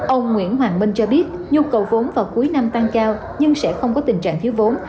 ông nguyễn hoàng minh cho biết nhu cầu vốn vào cuối năm tăng cao nhưng sẽ không có tình trạng thiếu vốn